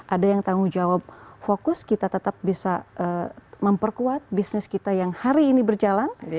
ada yang tanggung jawab fokus kita tetap bisa memperkuat bisnis kita yang hari ini berjalan